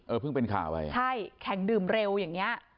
เพิ่งเป็นข่าวไปใช่แข่งดื่มเร็วอย่างเงี้ย